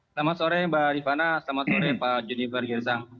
selamat sore mbak ivana selamat sore pak juniver girsang